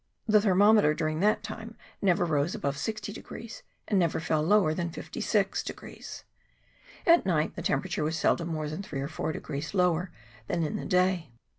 The thermometer during that time never rose above 60, and never fell lower than 56. At night the tem perature was seldom more than three or four degrees lower than in the day.